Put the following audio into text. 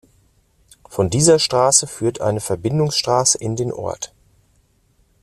Von dieser Straße führt eine Verbindungsstraße in den Ort.